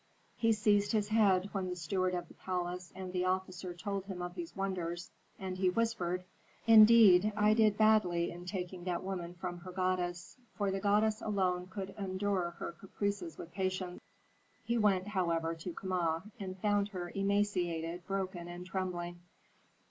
He seized his head when the steward of the palace and the officer told him of these wonders, and he whispered: "Indeed, I did badly in taking that woman from her goddess; for the goddess alone could endure her caprices with patience." He went, however, to Kama, and found her emaciated, broken, and trembling.